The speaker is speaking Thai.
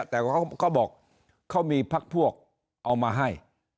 แต่เขาบอกเขามีพักพวกเอามาให้